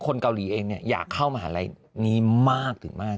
คนเกาหลีเองเนี่ยอยากเข้ามหาวิทยาลัยนี้มากถึงมาก